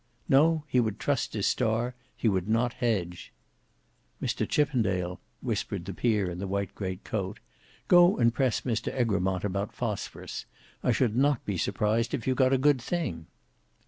No; he would trust his star, he would not hedge. "Mr Chippendale," whispered the peer in the white great coat, "go and press Mr Egremont about Phosphorus. I should not be surprised if you got a good thing."